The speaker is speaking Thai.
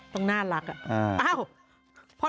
ต้องน่ารักอะ